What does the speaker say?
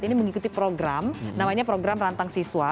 ini mengikuti program namanya program rantang siswa